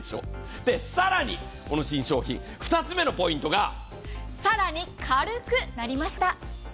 更にこの新商品、２つ目のポイントが更に軽くなりました。